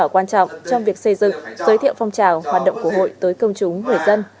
quan trọng trong việc xây dựng giới thiệu phong trào hoạt động của hội tới công chúng người dân